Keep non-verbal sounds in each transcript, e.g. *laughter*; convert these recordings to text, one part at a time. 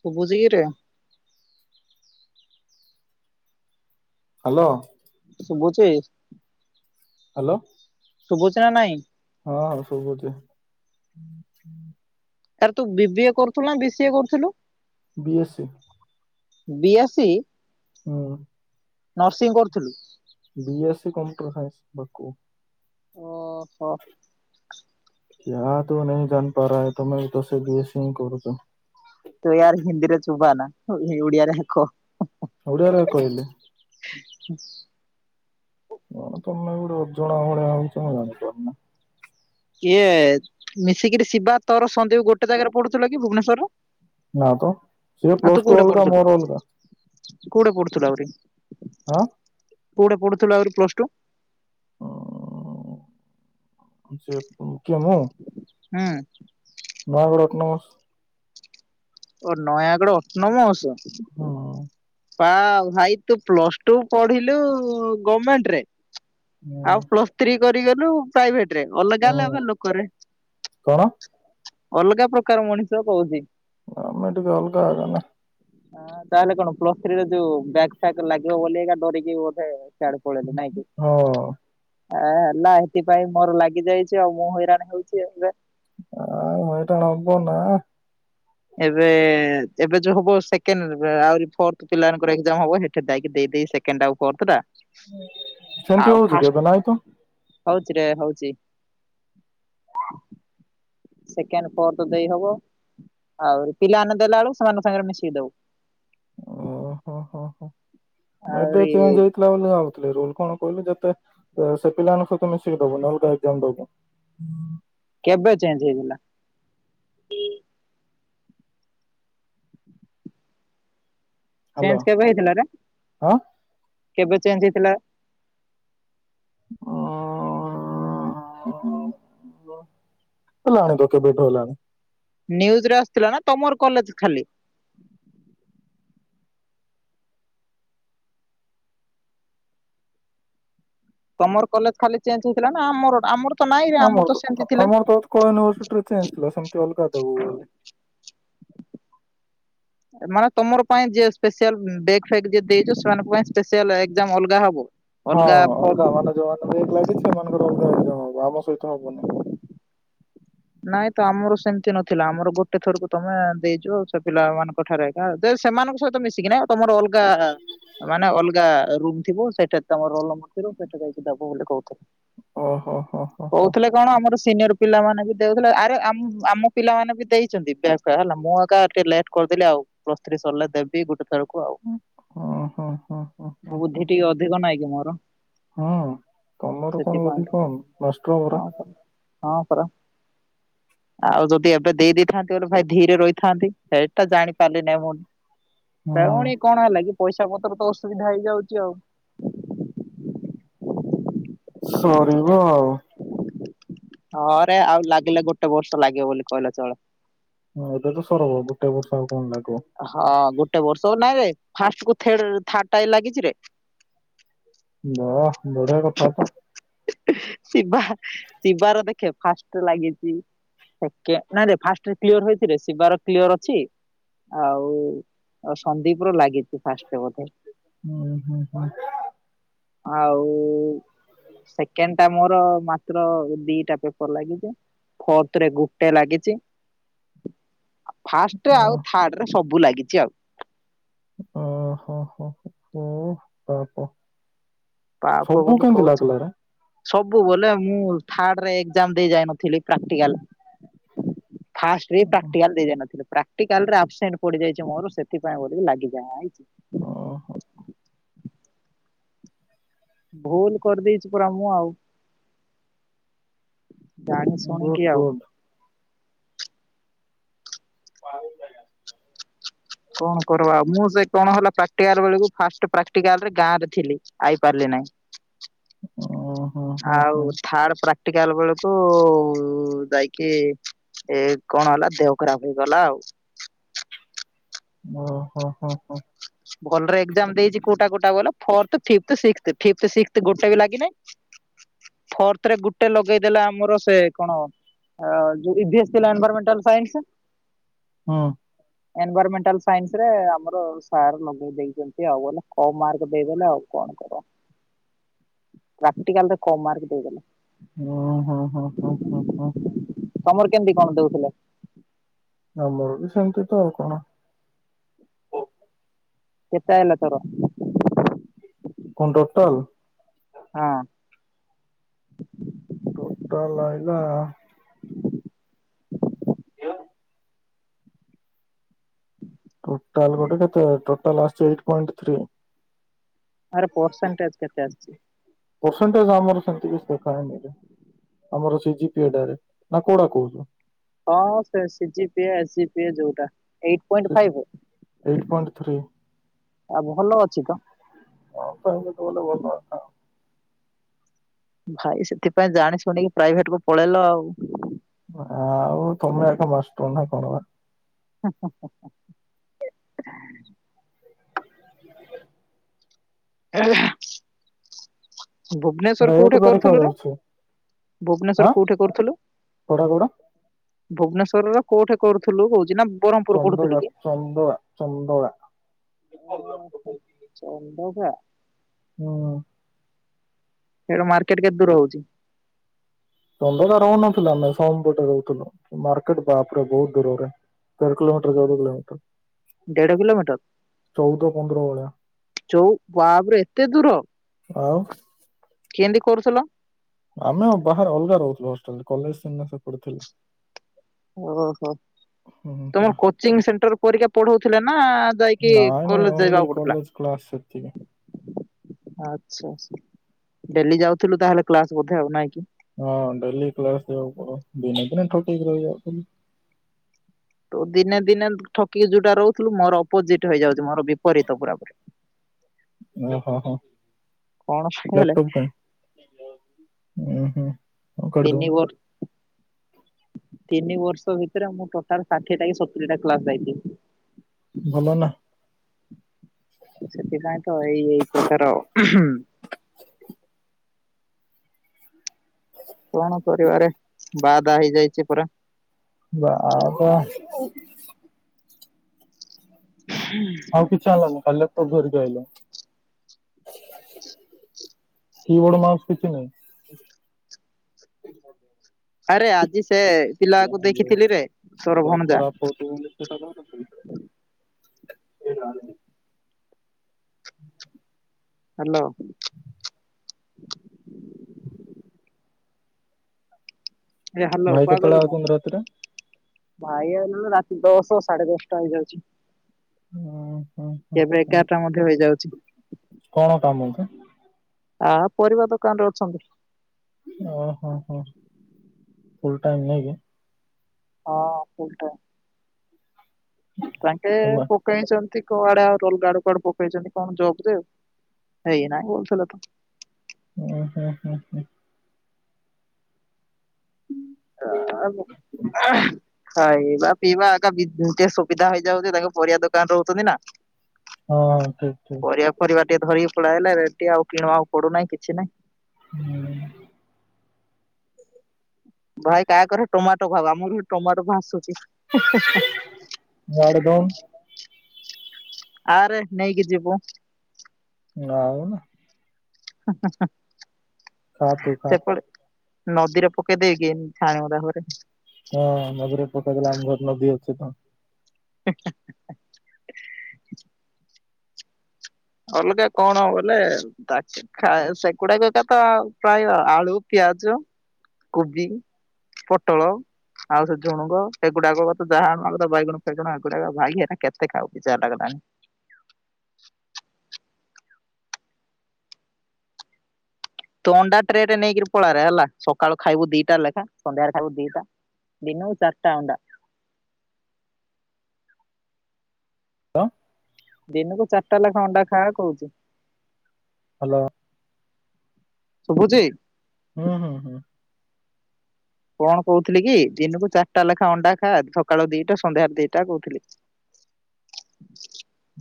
ସୁବୁଚିକିରେ? Hello ଶୁବୁଚି? Hello ଶୁଭୁଛି ନା ନାଇଁ? ହଁ ସୁବୁଚି। ହୁଁ ଛୁଁ ତାରେ ତୁ ବିବିିଏ କରୁଥିଲୁ ନା ବିସିଏ କରୁଥିଲୁ? ବିଏସସି ବିୟଶୀ ହଁ ନର୍ସିଂ କରୁଥିଲୁ B S C computer science ବାକୁ ଓହୋ କିଆଁ ତୁ ନହିଁ ଜାଣିପାରା ତମେ ତ ସେ ବିଏସି ହିଁ କରୁଚ। ତୁ ୟାର ହିନ୍ଦୀରେ ଚୋବାନା ଓ-ଓଡିଆରେ କହ। ଓଡିଆରେ କହିଲେ। *inaudible* କଣ ତମେ ଗୋଟେ ଅଜଣା ଭଳିଆ ହଉଚ ତମେ ଜାଣିଛ ଇଏ ମିଶିକିରି ଶିବା ତୋର ସନ୍ଦୀପ ଗୋଟେ ଜାଗାରେ ପଢୁଥିଲ କି ଭୁବନେଶ୍ୱରରେ? ନାଁ ତ ସେଏ ପ୍ଲସଟୁ ଅଲଗା ମୋର ଅଲଗା। କଉଠେ ପଢୁଥିଲ ଆଉରି ଆଁ କଉଠି ପଢୁଥିଲ ଆଉରି ପ୍ଲସ୍ ଟୁ? ସେ କେମୁ ହୁଁ ନୟାଗଡ଼ ଅଟନମସ ଓ ନୟାଗଡ ଅଟନମଷ ହଁ ପା ଭାଇ ତୁ ପ୍ଲସ ଟୁ ପଢିଲୁ ଗଭମେଣ୍ଟ ରେ ହୁଁ ଆଉ ପ୍ଲସ୍ ଥ୍ରୀ କରିଗଲୁ ପ୍ରାଇଭେଟ ରେ ଅଲଗା ହେଲେ ହୁଁ ଆମ ଲୋକରେ କଣ ଅଲଗା ପ୍ରକାର ମଣିଷ କହୁଛି ଗମେଟିକା ଅଲଗା ଆଗ ନା ହଁ ତାହେଲେ କଣ ପ୍ଲସ୍ ଥ୍ରୀ ଯୋଉ ବ୍ୟାଗ ଫକ୍ ଲାଗିବ ବ ଏକା ଡରିକି ବୋଧେ ଆଡ଼ କଳିଲ ନାଇକି ହଁ ଆ ହେଲା ଏଥିପାଇଁ ମୋର ଲାଗି ଯାଇଛି ଆଉ ମୁଁ ହଇରାଣ ହେଉଛି ଏବେ ହଁ ମଇଟାଣ ହବନ ଏବେ ଏବେ ଯୋଉ ହବ ସେକେଣ୍ଡ ଆହୁରି ଫର୍ଥ ପିଲାଙ୍କର ଏାମ ହବ ସେ ଯ ଦେଇକି ଦେଇ ସେକେଣ୍ଡ ଆଉ କରଦୋ ସେମିତି ଆଉ ହଉଛି କେବେ ନାଇଁ ତ ଫାଷ୍ଟ୍ ହଉଛି ରେ ହଉଛି। ସେକେଣ୍ଡ୍ ଫୋର୍ଥ ଦେଇ ହବ ଆହୁରି ପିଲାମାନେ ଦେଲା ବେଳକୁ ସେମାନଙ୍କ ସାଙ୍ଗରେ ମିଶିକି ଦବୁ। ଓହୋ ହୋ ହୋ ମୁଁ ଏବେ ଆହୁରି ଚେଞ୍ଜ *unintelligible* ପିଲାମାନେ ଭାବୁଥିଲେ ରୁଲ୍ କଣ କହିଲେ ଯେତେ ସେ ପିଲାମାନଙ୍କ ସହିତ ମିଶିକି ଦବ *unintelligible* ହୁଁ। କେବେ ଚେଞ୍ଜ ହେଇଗଲା? ହ୍ୟାଲୋ ଚେଞ୍ଜ କେବେ ହେଇଥିଲାରେ ହଁ କେବେ ଚେଞ୍ଜ ହେଇଥିଲା? ଓ *unintelligible* କେବେଠୁ ହେଲାଣି। ନ୍ୟୁଜ୍ ରେ ଆସିଥିଲା ନା ତମର କଲେଜ୍ ଖାଲି? ତମର କଲେଜ୍ ଖାଲି ଚେଞ୍ଜ ହେଇଥିଲା ନା ଆମର ଆମର ତ ନାଇଁ ରେ ଆମର ତ ସେମିତି ଥିଲା। *unintelligible* ଚେଞ୍ଜ୍ ଥିଲା ସେମିତି ଅଲଗା ଦବୁ ବୋଲି। ମାନେ ତମର ପାଇଁ ଯିଏ ସ୍ପେସିଆଲ *unintelligible* ଦେଇଛ ସେମାନଙ୍କ ପାଇଁ ସ୍ପେସିଆଲ ଏକ୍ଜାମ୍ ଅଲଗା ହବ। ହଁ ଅଲଗା ଫର୍ମ ଅଲଗା ମାନେ ଯୋଉମାନେ ବେକେ ଲାଗିଛି ସେମାନଙ୍କର ଅଲଗା ଏକ୍ଜାମ୍ ହବ ଆମ ସହିତ ହବନି। ନାଇଁ ତ ଆମର ସେମିତି ନଥିଲା ଆମର ଗୋଟେ ଥରକୁ ତମେ ଦେଇଚ ଆ ସେ ପିଲାମାନଙ୍କ ଠାରେ ହଁ *unintelligible* ସେମାନଙ୍କ ସହିତ ମିଶିକିନା ତମର ଅଲଗା ମାନେ ଅଲଗା ରୁମ୍ ଥିବ ସେଇଟାରେ ତମ ରୋଲ୍ ନମ୍ବର ଥିବ ସେଟି ଯାଇକି ଦବ ବୋଲି କହୁଥିଲେ। ଓ ହୋ ହୋ ହୋ ହୋ। କହୁଥିଲେ କଣ ଆମର ସିନିୟର ପିଲାମାନେ ବି ଦେଉଥିଲା ଆରେ ଆ ଆମ ପିଲାମାନେ ବି ଦେଇଚନ୍ତି *unintelligible* ପିଲା ହେଲା ମୁଁ ଏକା ଟିକେ ଲେଟ୍ କରିଦେଲି ଆଉ। ପ୍ଲସ୍ ଥ୍ରି ସରିଲେ ଦେବି ଗୋଟେ ଆଉ ହଁ ହଁ ହଁ ହଁ ହଁ ବୁଦ୍ଧି ହଁ ଟିକେ ଅଧିକ ନାହିଁ କି ମୋର। ହଁ ତମର କଣ ସେଥିପାଇଁ ବୁଦ୍ଧି ତ କମ୍ ମାଷ୍ଟ୍ର ହଁ *unintelligible* ପରା ହଁ ପରା। ଆଉ ଯଦି ଏବେ ଦେଇ ଦେଇଥାନ୍ତି *unintelligible* ରହିଥାନ୍ତି ସେଟା ଜାଣିପାରିଲିନି ମୁଁ। ସେଟା ହଁ ପୁଣି କଣ ହେଲା କି ପଇସା ପତ୍ର ତ ଅସୁବିଧା ହେଇଯାଉଛି ଆଉ। ସରିବ ଆଉ। ହଁ ରେ ଆଉ ଲାଗିଲେ ଗୋଟେ ବର୍ଷ ଲାଗିବ ବୋଲି କହିଲେ ଚଳେ। ହଁ ଏବେ ତ ସରବ ଗୋଟେ ବର୍ଷ ଆଉ କଣ ଲାଗିବ। ହଁ ଗୋଟେ ବର୍ଷ ନାଇଁରେ ଫାଷ୍ଟ କୁ ଥେଡ଼ ରେ ଥାର୍ଡ଼ ଟା ବି ଲାଗିଛି ରେ। ହଁ ବଢ଼ିଆ କଥା ତ। ଶିବା ଶିବାର ଦେଖେ ଫାଷ୍ଟ୍ ଲାଗିଛି। ସେକେ ନାଇଁରେ ଫାଷ୍ଟ୍ କ୍ଲିୟର ହେଇଚିରେ ଶିବାର କ୍ଲିୟର ଅଛି। ଆଉ ଆଉ ସନ୍ଦୀପ ର ଲାଗିଛି ଫାଷ୍ଟ୍ ଟା ବୋଧେ। ହୁଁ ହୁଁ। ଆଉ ସେକେଣ୍ଡ ଟା ମୋର ମାତ୍ର ଦିଟା ପେପର ଲାଗିଚି। ଫୋର୍ଥ ରେ ଗୋଟେ ଲାଗିଛି। ଫାଷ୍ଟ୍ ଅ ଆଉ ଥାର୍ଡ଼ ରେ ସବୁ ଲାଗିଛି ଆଉ। ଓ ହୋ ହୋ *unintelligible* ପାପ ସବୁ ବୋଲି କେମିତି କହୁଛୁ ଲାଗିଲା ରେ? ସବୁ ବୋଲେ ମୁଁ ଥାର୍ଡ଼ ରେ ଏକ୍ଜାମ୍ ଦେଇଯାଇନଥିଲି ପ୍ରାକ୍ଟିକାଲ୍। ହ। ଫାଷ୍ଟ୍ ରେ ପ୍ରାକ୍ଟିକାଲ୍ ଦେଇଯାଇନଥିଲି ପ୍ରାକ୍ଟିକାଲ୍ ରେ ଆବସେଣ୍ଟ୍ ପଡ଼ିଯାଇଛି ମୋର ସେଥିପାଇଁ ବୋଧେ ଲାଗିଯାଇଛି। ଓହୋ ଭୁଲ୍ କରିଦେଇଛି ପରା ମୁଁ ଆଉ। ଜାଣି ଗୁଡ ଶୁଣିକି ଆଉ। ଗୁଡ *unintelligible* କଣ କରବା ଆଉ ମୁଁ ସେ କଣ ହେଲା ପ୍ରାକ୍ଟିକାଲ୍ ବେଳକୁ ଫାଷ୍ଟ୍ ପ୍ରାକ୍ଟିକାଲ୍ ରେ ଗାଁ ରେ ଥିଲି। ଆଇପାରିଲି ନାଇଁ। ଓ ହୋ ହୋ ହୋ ଆଉ ଥାଡ ପ୍ରାକ୍ଟିକାଲ ଟିକି ହେଲା ବେଳକୁ ଯାଇକି ଏ କଣ ହେଲା ଦେହ ଖରାପ ହେଇଗଲା ଆଉ। ଓହୋ ହୋ ହୋ। ଭଲରେ ଏଜାମ ଦେଇଛି କୋଉଟା କୋଟା କହିଲ ଫିପଥ ସିକ୍ସଥ ଗୋଟେ ବି ଲାଗି ହ। ନାହିଁ। ଫର୍ଥ ରେ ଗୋଟେ ଲଗେଇଦେଲା ଆମର ସେ କଣ ଉ ଇଏସ୍ ଥିଲା ଏନଭରମେଣ୍ଟାଲ ସାଇନ୍ସ। ହଁ। ଏନଭରମେଣ୍ଟାଲ ସାଇନ୍ସ ରେ ଆମର ସାର ଲୋକେ ଦେଇଛନ୍ତି ଆଉ ଗଲେ କମ ମାର୍ଗ ଦେଇଦଲେ ଆଉ କଣ କଣ। ପ୍ରାକ୍ଟିକାଲ ତ କମ୍ ମାର୍କ ଦେଇଦଲେ। ଓ ହଁ ହଁ ହଁ ହଁ ହଁ। ତମର କେମିତି କଣ ଦଉଥିଲେ। ଆମର ବି ସେମତି ତ ଆଉ କଣ। କେତ ହେଲା ତୋର? କନଣ୍ ଟୋଟଲ ହଁ। ଟୋଟାଲ ଆଇଲା ଯେଉ ଟୋଟାଲ ଗୋଟେ କେତେ ଟୋଟାଲ ଆସିଛି ଏଇ ପଣ୍ଟ ଥ୍ରୀ। ତ ପରସେଣ୍ଟେଜ କେତେ ଆସିଛି। ପରସେଣ୍ଟେଜ ଆମର ସେମତି କି ଦେଖାହେଇନି। ଆମର ସେଇ ଜିପିଆଡ ରେ ନା କୋଉଡା କହୁଛୁ। ହଁ ସି ଜ ପି ଏ ଜ ପି ଯୋଉଟା। Eight point five eight point three. ଆଉ ଭଲ ଅଛି ତ। ହଁ ତ ହେଇତ ବୋଲେ ଭଲ। ଭାଇ ସେଥିପାଇଁ ଜାଣି ଶୁଣିକି ପ୍ରାଇଭେଟ କୁ ପଳେଇଲ ଆଉ। ହଁ ଆଉ ତମେ ଏକା ମାଷ୍ଟ୍ର ନା କଣ? ହ ହ ହ ହଁ। ଭୁବନେଶ୍ଵର ରେଟ୍ କୋଉଠି ଭାରି କରୁଥିଲୁ ରେ ଅଛି ଭୁବନେଶ୍ଵର କୋଉଠି କରୁଥିଲୁ? କୋଡା କୋଡା ଭୁବନେଶ୍ୱର୍ ର କୋଉଠି କରୁଥିଲୁ କହୁଛି ନା ବ୍ରହ୍ମପୁର କରୁଥିଲୁ ଚନ୍ଦକା କି? ଚନ୍ଦକା ଚନ୍ଦକା ଓହୋ ସନ୍ତବ ଓ ସେଇା ମାର୍କେଟ କେତେ ଦୂର ହଉଛି ଦନ୍ଦା ରହୁନଥିଲା ଆମେ ସୋନପୁରେ ରହୁଥିଲୁ ମାର୍କେଟ ବାପରେ ବହୁତ ଦୂରରେ ତେରିଲୋମଟର ଚଦ କିଲୋମଟର ଦେଢ ପନ୍ଦର ଭଳିଆ କିଲୋମିଟର ଚୋଉ ବାହାପରେ ଏତେ ଦୂର ଆଉ କେମିତି କରୁଥିଲ ଆମେ ବାହାରେ ଅଲଗା ରହୁଥିଲୁ ହେଷ୍ଟେଲରେ କଲେଜ ସି ପଢୁଥିଲୁ ଓହୋ ହୁଁ ତମର ପରା। କୋଚିଂ ସେଣ୍ଟର କରିକି ପଢଉଥିଲେ ନା ଯାଇକି କଲେଜ ଯାଇବାକୁ ପଡୁଥିଲା ଆସାରିଥିଲି ଆଛା ଆଛା ଡେଲି ଯାଉଥିଲୁ ତାହେଲେ କ୍ଲାସ ବୋଧେ ଆଉ ନାଁ କି ହଁ ଡେଲି କ୍ଲାସ ପଡ ଦିନ ଦିନ ଠକିକି ରହିଯାଉଥିଲୁ ତ ଦିନେ ଦିନେ ଠକିକି ଯୋଉଟା ରହୁଥିଲୁ ମୋର ଅପୋଜିଟ୍ ହେଇଯାଉଛି ମୋର ବିପରୀତ ପୁରା ପ ଓ ହୋ ହୋ କଣ ପାଇଁ ହେଲେ ଲାପଟପ୍ ଟା ଓୁଁ ହୁଁ ହଁ ତିନି କରିଦଉନ ବର୍ *inaudible* ତିନି ବର୍ଷ ଭିତରେ ମୁଁ ଟୋଟାଲ ଷାଠିଏ ଟା କି ସତୁରି ଟା କ୍ଲାସ ଯାଇଥିଲି ଭଲ ନା ସେଥିପାଇଁ ତ ଏଇ ଏଇ ପ୍ରକାର କଣ କରିବାରେ ବାଧା ହେଇଯାଇଛି ପୁରା ବା ବା ହୁଁ ହଁ କିଛି ଆଲା ନ କା ଲଟ ଘରି ଆଇଲ କି ବଡ ମାଉସ କିଛି ନାହିଁ ଆରେ ଆଜି ସେ ପିଲାକୁ ଦେଖିଥିଲି ରେ ଏଇଟା ତୋରଭଣଜା *unintelligible* *inaudible* ହାଲୋ ଏ ହାଲୋ ଭାଇ କେତେବେଳେ କୁଆଗଲୁ ଆଉଛନ୍ତି ରାତିରେ? ଭାଇ ଆଇଲା ଳୁ ରାତି ଦଶ ସାଢେ ଦଶଟା ହେଇଯାଉଛି ଉଁ ହୁଁ ହୁଁ କେବେ ହୁଁ। ଏଗାରଟା ମଧ୍ୟ ହେଇଯାଉଛି କଣ କାମ ତ ଆ ପରିବା ଦୋକାନ ରେ ଅଛନ୍ତି ଓ ହୋ ହଁ ଫୁଲ ଟାଇମ ନାଇ କି ହଁ ଫୁଲ ଟାଇମ୍ କୁଆଣ୍ଟିଏ ପୁମା ପକ ପକେଇଛନ୍ତି କୁଆଡେ ଆଉ ରୋଲଗାଡ କୁଆଡୁ ପକେଇଛନ୍ତି କଣ ଜବ ଦେ ଆଉ ହେଇନାହିଁ ବଥିଲେ ତ ଓୁ ହୋ ହୁଁ ହୁଁ ହୁଁ *unintelligible* ହଁ ଏଇ ବା ପିଇବା ଆଗ୍ ଟେ ସୁବିଧା ହେଇଯାଉଛି ତାଙ୍କ ପରିବା ଦୋକାନ ରହୁଛନ୍ତି ନା ହଁ ହଁ ଠିକ ଠିକ ପରିବା ପରିବା ଟିକେ ଧରିକି ପଳେଆଇଲା ରେଡି ଆଉ କିଣ ଆଉ ପଡୁନାହିଁ କିଛି ନାଇଁ ହୁଁ ଭାଇ କାହାକରେ ଟମାଟୋ ଖବ ଆମର ଟମାଟୋ ଭାସୁଛି ଇଆଡେ ଦଉନୁ *unintelligible* ଆରେ ନେଇକି ଯିବୁ ଆଉ ଖା ତୁ ଖା। ସେପଳ ନଦୀରେ ପକ ଦେଇଗି ଛାଣ ହରେ ହଁ ନଦୀରେ ପଟ କଲେ ଆମ ଘର ନଦୀ ଅଛି ତ ହ ଅଲଗା କଣ ବୋଲେ ତା ସେଗୁଡାକ ଏକ ତ ପ୍ରାୟ ଆଳୁ ପିଆଜ କୋବି ପଟଳ ଆଉ ସେ ଝୁଗ ଏଗୁାକ କ ଯାହା ବାଇଗଣ ଫେଗୁଣ ଏଗୁଡାକ ଭାଗି ହେ କେତେ ଖାଉ ବିଚ ଲାଗଲାାନି ତ ଅଣ୍ଡା ଟ୍ରେରେ ନେଇକରି ପଳାରେ ହେଲା ସକାଳୁ ଖାଇବୁ ଦିଟା ଲେଖା ସନ୍ଧ୍ୟାରେ ଖାଇବୁ ଦିଟା ଦିନ ଚରଟା ଅଉଣ୍ଡା ଦିନକୁ ଚାରିଟା ଲେଖା ଅଣ୍ଡା ଖାଇବା କହୁଚଛି ହ୍ୟାଲୋ ଶୁଭୁଛି? ହୁଁ ହୁଁ ହୁଁ କଣ କହୁଥିଲି କି ଦିନକୁ ଚାରିଟା ଲେଖାଏ ଅଣ୍ଡା ଖା ସକାଳୁ ଦିଟା ସନ୍ଧ୍ୟାରେ ଦିଟା କହୁଥିଲି।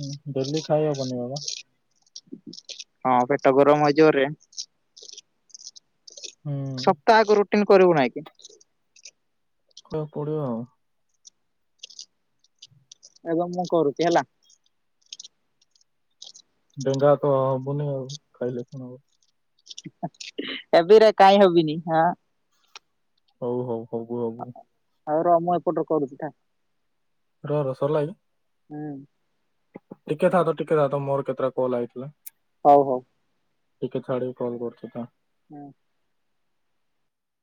ହ ଡେଲି ଖାଇବାବନି ବାବା। ହଁ ପେଟ ଗରମ ହଯିବରେ ହୁଁ। ସପ୍ତାହକୁ ରୁଟିନ କରିବୁ ନାଇଁ କି? କ ପଡିବ ଆଉ ଏ ମୁଁ କରୁଛି ହେଲା। ଡେଙ୍ଗା ତ ହବୁନି ଆଉ ଖାଇଲେ କଣ ହବ। ଏବେରେ କାହିଁ ହବିନି ହଁ। ହଉ ହଉ ହବ ହବ। ଆଉ ର ମୁଁ ଏପଟରେ କରୁଛିା ର ରସ ଲାଗି ହୁଁ। ଟିକେ ଥାଥ ଟିକେ ଥା ତ ମୋ କେତେଟା କଲ୍ଇଥିଲା। ହଉ ହଉ। ଟିକେ ଟିକେ କଲ କରୁଛ ତ ହୁଁ।